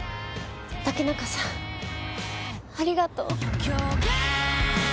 竹中さんありがとう。